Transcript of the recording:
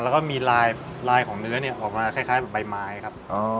แล้วก็มีลายของเนื้อออกมาคล้ายใบไม้ครับ